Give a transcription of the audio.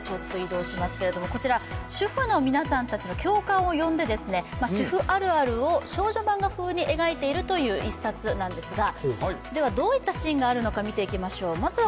こちら、主婦の皆さんたちの共感を呼んで、主婦あるあるを少女漫画風に描いているという一冊なんですが、どういったシーンがあるのか見ていきましょう。